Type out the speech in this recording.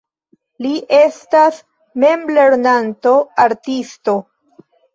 Li estas memlernanto artisto.